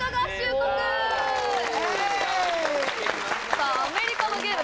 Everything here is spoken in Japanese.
さあアメリカのゲーム